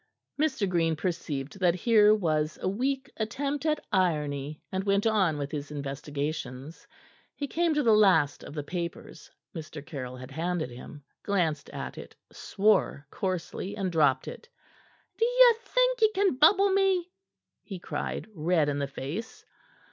Mr. Green perceived that here was a weak attempt at irony, and went on with his investigations. He came to the last of the papers Mr. Caryll had handed him, glanced at it, swore coarsely, and dropped it. "D'ye think ye can bubble me?'" he cried, red in the face.